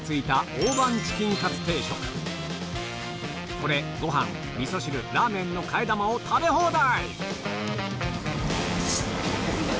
これご飯みそ汁ラーメンの替え玉を食べ放題！